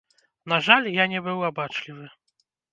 На жаль, я не быў абачлівы.